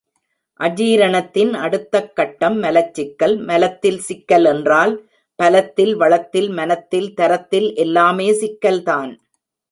அஜீரணத்தின் அடுத்தக் கட்டம் மலச்சிக்கல் மலத்தில் சிக்கல் என்றால் பலத்தில், வளத்தில், மனத்தில், தரத்தில் எல்லாமே சிக்கல்தான்.